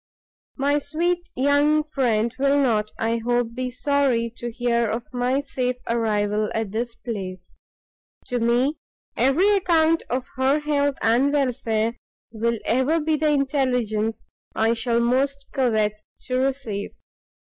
My sweet young friend will not, I hope, be sorry to hear of my safe arrival at this place: to me every account of her health and welfare, will ever be the intelligence I shall most covet to receive.